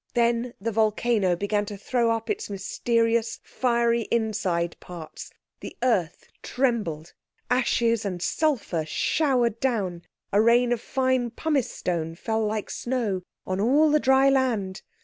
Then the volcano began to throw up its mysterious fiery inside parts. The earth trembled; ashes and sulphur showered down; a rain of fine pumice stone fell like snow on all the dry land.